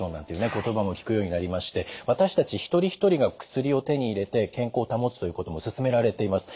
言葉も聞くようになりまして私たち一人一人が薬を手に入れて健康を保つということもすすめられています。